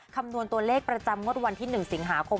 คำนวณตัวเลขประจำงวดวันที่๑สิงหาคม